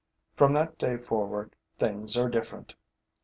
From that day forward, things are different.